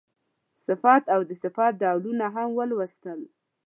صفت او د صفت ډولونه هم ولوستل.